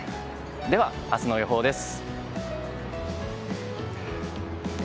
では、明日の予報です。